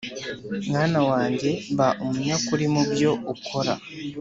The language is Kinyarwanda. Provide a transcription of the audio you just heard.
mwana wanjye ba umunyakuri mu byo ukora